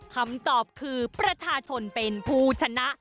คำตอบคือประชาชนเป็นผู้ชนะ